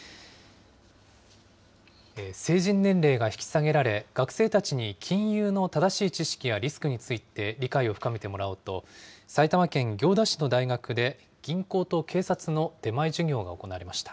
成人年齢が引き下げられ、学生たちに金融の正しい知識やリスクについて理解を深めてもらおうと、埼玉県行田市の大学で、銀行と警察の出前授業が行われました。